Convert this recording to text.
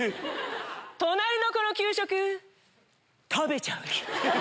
隣の子の給食食べちゃうよ。